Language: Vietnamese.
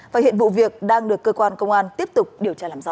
và hiện vụ việc đang được cơ quan công an tiếp tục điều tra làm rõ